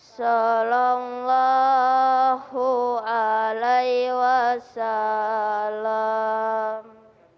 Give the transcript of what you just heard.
salam allah alaihi wasalam